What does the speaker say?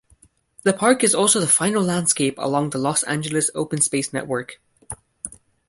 The park is also the final landscape along the Los Angeles Open Space Network.